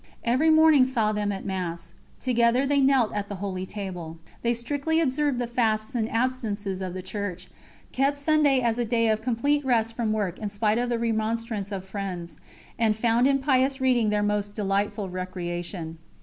Every morning saw them at Mass; together they knelt at the Holy Table. They strictly observed the fasts and abstinences of the Church, kept Sunday as a day of complete rest from work in spite of the remonstrance of friends, and found in pious reading their most delightful recreation.